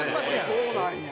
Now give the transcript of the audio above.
そうなんや。